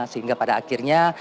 sehingga pada akhirnya